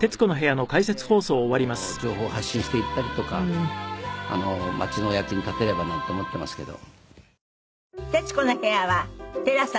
まあ色んな形で情報を発信していったりとか町のお役に立てればなと思っていますけど。